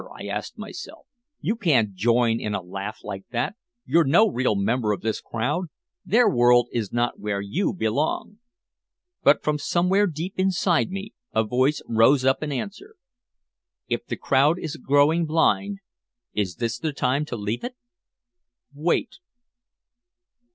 I asked myself. "You can't join in a laugh like that you're no real member of this crowd their world is not where you belong!" But from somewhere deep inside me a voice rose up in answer: "If the crowd is growing blind is this the time to leave it? Wait."